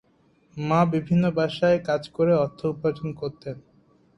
মা বিভিন্ন বাসায় কাজ করে অর্থ উপার্জন করতেন।